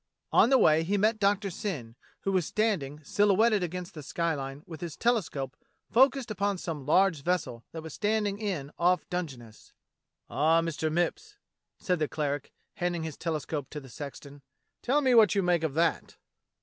On the way he met Doctor Syn, who was standing silhouetted against the skyline with his telescope fo cussed upon some large vessel that was standing in off Dungeness. *'Ah, Mr. Mipps," said the cleric, handing his tele scope to the sexton, "tell me what you make of that.'